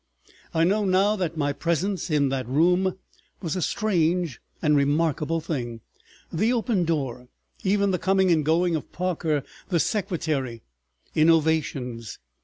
I know now that my presence in that room was a strange and remarkable thing, the open door, even the coming and going of Parker the secretary, innovations.